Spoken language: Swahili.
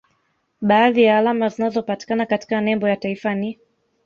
Baadhi ya alama zinazopatikana katika nembo ya taifa ni